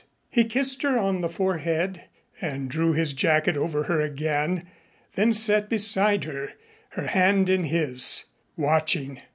He kissed her on the forehead and drew his jacket over her again, then sat beside her, her hand in his, watching.